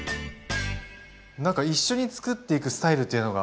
何か一緒につくっていくスタイルというのが。